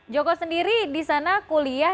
joko sendiri di sana kuliah